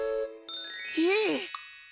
いい！